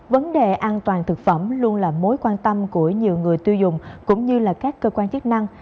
vấn đề an toàn thực phẩm luôn là mối quan tâm của nhiều người tiêu dùng cũng như là các cơ quan chức năng